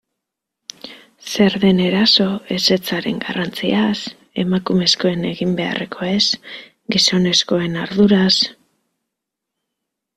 Zer den eraso, ezetzaren garrantziaz, emakumezkoen egin beharrekoez, gizonezkoen arduraz...